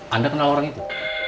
anda kenal orang itu